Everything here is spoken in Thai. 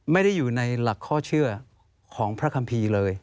ไม่ได้อยู่ในหลักข้อเชื่อของพระคัมภีร์เลย